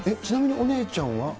ちなみにお姉ちゃんは？